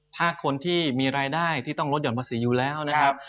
ถ้าคนที่มีรายได้ที่ต้องลดห่อนภาษีอยู่แล้วนะครับ